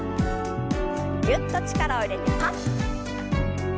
ぎゅっと力を入れてパッ。